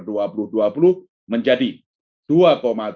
suku bunga pasar uang antar bank overnight